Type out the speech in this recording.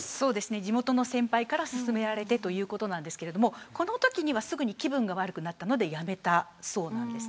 地元の先輩から勧められてということですがこのときにはすぐに気分が悪くなったのでやめたそうなんです。